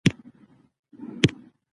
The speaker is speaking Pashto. د هغه له سکرتر اوریدلي دي.